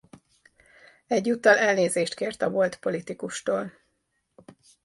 Egyúttal elnézést kért a volt politikustól.